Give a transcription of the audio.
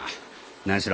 何しろ